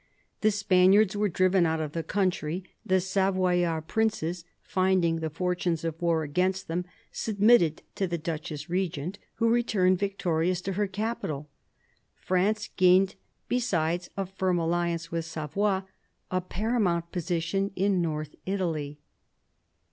The Spaniards were driven out of the country ; the Savoyard princes, finding the fortunes of war against them, submitted to the Duchess regent, who returned victorious to her capital. France gained, besides a firm alliance with Savoy, a paramount position in North Italy.